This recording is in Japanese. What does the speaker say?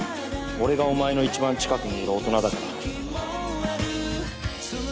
俺がお前の一番近くにいる大人だから。